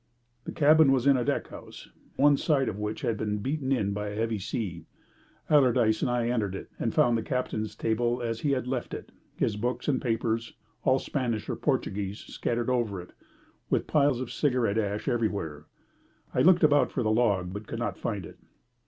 The cabin was in a deck house, one side of which had been beaten in by a heavy sea. Allardyce and I entered it, and found the captain's table as he had left it, his books and papers all Spanish or Portuguese scattered over it, with piles of cigarette ash everywhere. I looked about for the log, but could not find it.